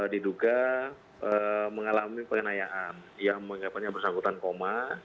diduga mengalami penganayaan yang menganggapnya bersangkutan koma